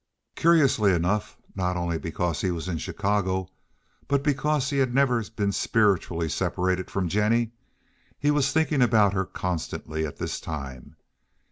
Curiously enough, not only because he was in Chicago, but because he had never been spiritually separated from Jennie, he was thinking about her constantly at this time.